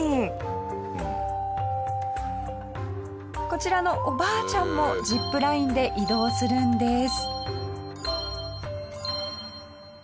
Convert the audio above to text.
こちらのおばあちゃんもジップラインで移動するんです。